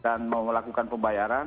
dan mau melakukan pembayaran